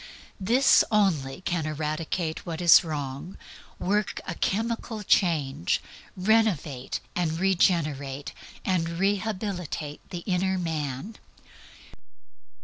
This only can eradicate what is wrong, work a chemical change, renovate and regenerate, and rehabilitate the inner man.